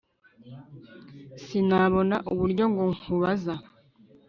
sinabona uburyo ngo nkubaza